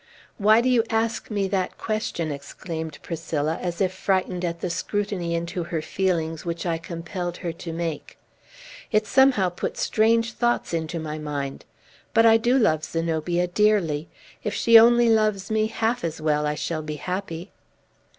"Why do you ask me that question?" exclaimed Priscilla, as if frightened at the scrutiny into her feelings which I compelled her to make. "It somehow puts strange thoughts into my mind. But I do love Zenobia dearly! If she only loves me half as well, I shall be happy!"